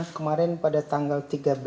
kemarin pada tanggal tiga belas